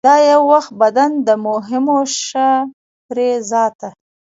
دا یو وخت بدن و د مهوشه پرې ذاته